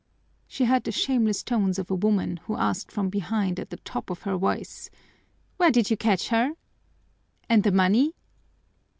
She heard the shameless tones of a woman who asked from behind at the top of her voice, "Where did you catch her? And the money?"